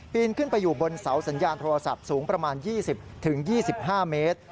นขึ้นไปอยู่บนเสาสัญญาณโทรศัพท์สูงประมาณ๒๐๒๕เมตร